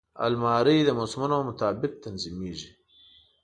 الماري د موسمونو مطابق تنظیمېږي